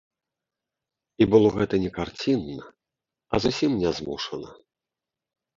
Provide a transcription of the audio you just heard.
І было гэта не карцінна, а зусім нязмушана.